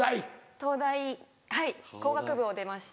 東大はい工学部を出まして。